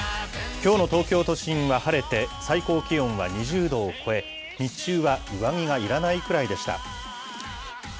きょうの東京都心は晴れて、最高気温は２０度を超え、日中は上着がいらないくらいでした。